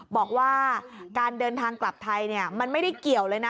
บอกว่าการเดินทางกลับไทยมันไม่ได้เกี่ยวเลยนะ